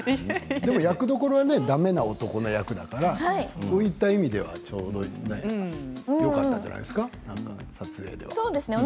でも役どころはだめな男の役どころだからそういった意味ではちょうどよかったんじゃないですか、撮影では。